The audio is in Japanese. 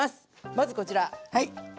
まずこちら。